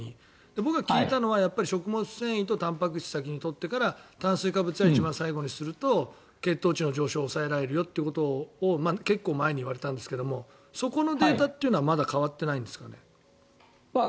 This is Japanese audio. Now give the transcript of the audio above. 僕が聞いたのは食物繊維とたんぱく質を先に取ってから炭水化物は一番最後にすると血糖値の上昇を抑えられるよと結構前に言われたんですけどそこのデータというのは変わらないですね。